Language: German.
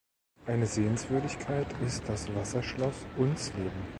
Eine Sehenswürdigkeit ist das Wasserschloss Unsleben.